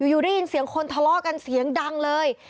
อยู่ได้ยินเสียงคนทะเลาะกันเสียงดังเลย